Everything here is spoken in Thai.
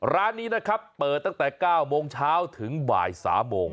ร้านนี้นะครับเปิดตั้งแต่๙โมงเช้าถึงบ่าย๓โมง